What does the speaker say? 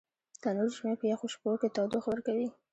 تنور د ژمي په یخو شپو کې تودوخه ورکوي